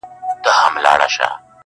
د لوستلو او لیکلو په مخ کي درلودلی